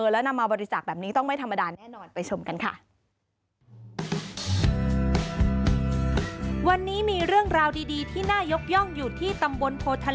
แล้วนำมาบริจาคแบบนี้ต้องไม่ธรรมดาแน่นอนไปชมกันค่ะ